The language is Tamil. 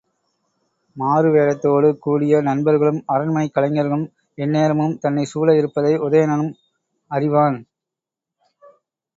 மாறுவேடத்தோடு கூடிய நண்பர்களும் அரண்மனைக் கலைஞர்களும் எந்நேரமும் தன்னைச் சூழ இருப்பதை உதயணனும் அறிவான்.